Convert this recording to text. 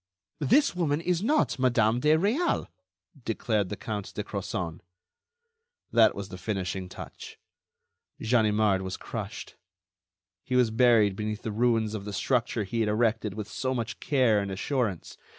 "This woman is not Madame de Réal," declared the Count de Crozon. That was the finishing touch. Ganimard was crushed. He was buried beneath the ruins of the structure he had erected with so much care and assurance.